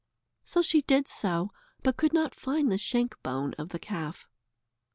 So she did so, but could not find the shank bone of the calf.